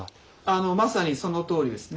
まさにそのとおりですね。